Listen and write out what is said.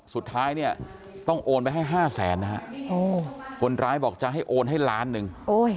สุดท้ายเนี่ยต้องโอนไปให้ห้าแสนนะฮะโอ้คนร้ายบอกจะให้โอนให้ล้านหนึ่งโอ้ย